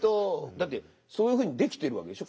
だってそういうふうに出来てるわけでしょ？